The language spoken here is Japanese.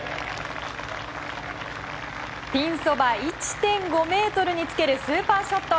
ピンそば１．５ｍにつけるスーパーショット！